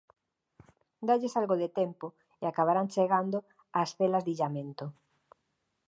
Dálles algo de tempo, e acabarán chegando ás celas de illamento.